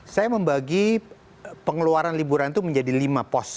saya membagi pengeluaran liburan itu menjadi lima pos